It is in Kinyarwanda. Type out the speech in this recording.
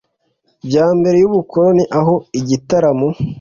bya mbere y'ubukoloni aho igitaramo